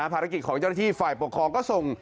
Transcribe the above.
ภารกิจของเจ้าหน้าที่ฝ่ายปกครองก็ส่ง